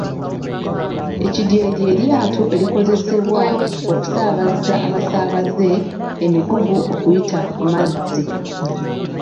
Ekidyeri lye lyato erikozesebwa okusaabaza abasaabaze, emigugu okuyita ku mazzi.